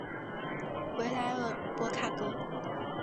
维莱尔博卡格。